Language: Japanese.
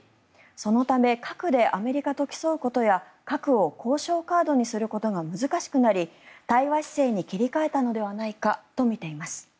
そのため核でアメリカと競うことや核を交渉カードにすることが難しくなり対話姿勢に切り替えたのではないかとみています。